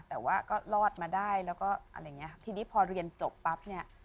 แต่ว่าก็รอดมาได้แล้วก็อะไรอย่างเงี้ยทีนี้พอเรียนจบปั๊บเนี้ย